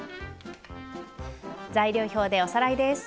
材料表でおさらいです。